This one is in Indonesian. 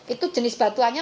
itu jenis batuannya